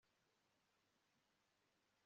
ajyanye n'intore n'abavuzi b'ingoma